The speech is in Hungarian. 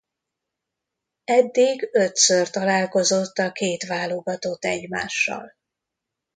Eddig ötször találkozott a két válogatott egymással.